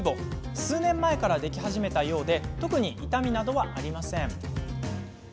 数年前から、でき始めたようで特に痛みなどはありません。